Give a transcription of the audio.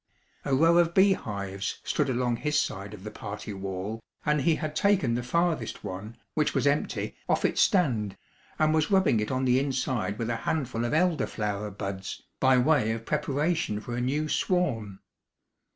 A row of bee hives stood along his side of the party wall, and he had taken the farthest one, which was empty, off its stand, and was rubbing it on the inside with a handful of elder flower buds, by way of preparation for a new swarm.